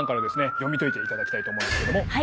読み解いていただきたいと思うんですけども。